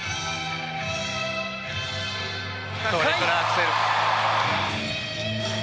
トリプルアクセル。